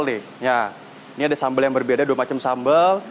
nah ini ada sambal yang berbeda dua macam sambal